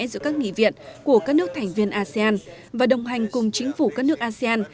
giữa các nghị viện của các nước thành viên asean và đồng hành cùng chính phủ các nước asean